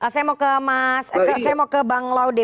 saya mau ke bang laude